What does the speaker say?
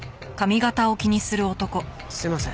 すいません